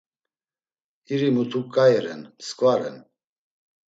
İri mutu k̆ai ren mskva ren.